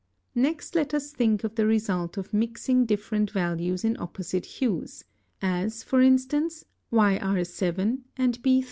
Next let us think of the result of mixing different values in opposite hues; as, for instance, YR7 and B3 (Fig.